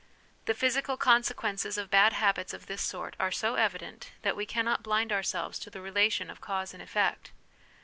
The physical consequences of bad habits of this sort are so evident, that we cannot blind ourselves to the relation of cause and effect.